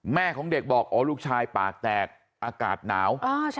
แม่ของเด็กบอกอ๋อลูกชายปากแตกอากาศหนาว